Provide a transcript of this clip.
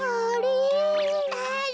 あれ。